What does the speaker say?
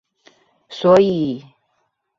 所以